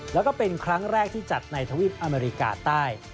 แล้วก็เป็นครั้งแรกที่จัดในทวีปอเมริกาใต้